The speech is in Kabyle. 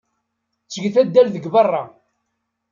Ttget addal deg beṛṛa.